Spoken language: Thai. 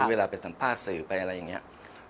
ซึ่งเวลาเป็นสัมภาษณ์สื่อไปอะไรอย่างเนี่ย